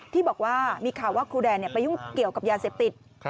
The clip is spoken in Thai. ที่บอกว่ามีข่าวว่าครูแดนไปยุ่งเกี่ยวกับยาเสพติด